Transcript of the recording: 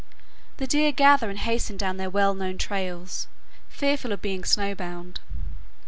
The deer gather and hasten down their well known trails, fearful of being snow bound.